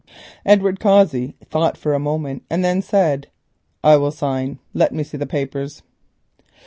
Edward Cossey thought for a moment and then said, "I will sign. Let me see the papers."